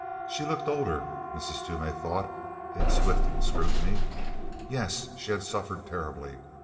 She looked older, Mrs. Toomey thought, in swift scrutiny. Yes, she had suffered terribly.